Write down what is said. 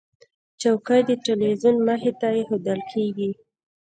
چوکۍ د تلویزیون مخې ته ایښودل کېږي.